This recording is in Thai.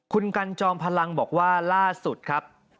คุณกันจอมพลังบอกว่าล่าสุดครับ